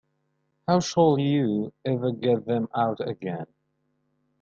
How shall you ever get them out again?